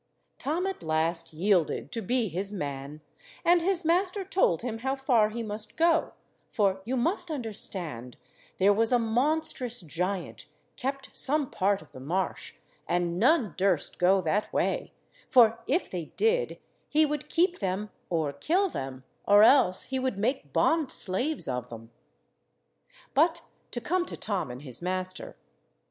Tom at last yielded to be his man, and his master told him how far he must go, for you must understand there was a monstrous giant kept some part of the Marsh, and none durst go that way, for if they did he would keep them or kill them, or else he would make bond slaves of them. But to come to Tom and his master.